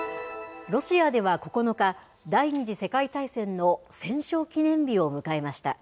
ロシアでは９日、第２次世界大戦の戦勝記念日を迎えました。